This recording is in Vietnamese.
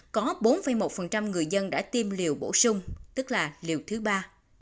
hàn quốc đã tiêm chủng đầy đủ cho bảy mươi chín một người dân đã tiêm liều bổ sung tức là liều thứ ba